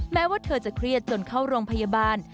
แม้ว่าเธอจะเครียดจนเข้าโรงพยาบาล